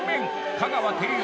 香川照之